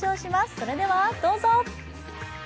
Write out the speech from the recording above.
それでは、どうぞ。